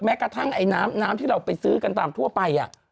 กระทั่งไอ้น้ำน้ำที่เราไปซื้อกันตามทั่วไป